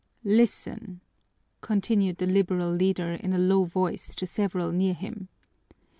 "Listen," continued the liberal leader in a low voice to several near him.